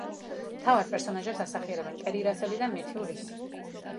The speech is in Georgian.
მთავარ პერსონაჟებს ასახიერებენ კერი რასელი და მეთიუ რისი.